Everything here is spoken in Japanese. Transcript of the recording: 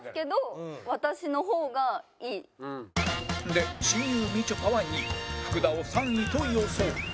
で親友みちょぱは２位福田を３位と予想